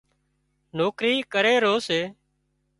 نوڪري ڪري رو سي